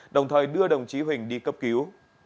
đồng thời đưa đồng chí huỳnh đi cấp cứu